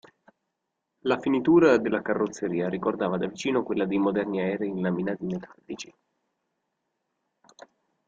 La finitura della carrozzeria ricordava da vicino quella dei moderni aerei in laminati metallici.